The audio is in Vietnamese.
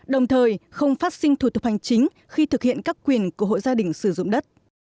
đồng thời không phát sinh thủ tục hành chính khi thực hiện các quyền của hộ gia đình sử dụng đất